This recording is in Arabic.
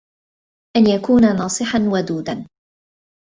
أَنْ يَكُونَ نَاصِحًا وَدُودًا